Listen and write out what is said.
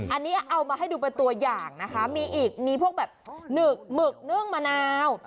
อันนี้เอามาให้ดูเป็นตัวอย่างนะคะมีอีกมีพวกแบบหนึบหมึกนึ่งมะนาว